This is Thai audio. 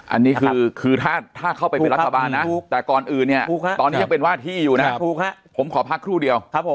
อันนี้คือถ้าเข้าไปเป็นรัฐบาลนะแต่ก่อนอื่นเนี่ยตอนนี้ยังเป็นว่าที่อยู่นะผมขอพักครู่เดียว